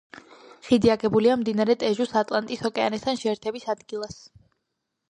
ხიდი აგებულია მდინარე ტეჟუს ატლანტის ოკეანესთან შეერთების ადგილას.